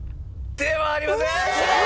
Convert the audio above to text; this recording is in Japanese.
ではありません！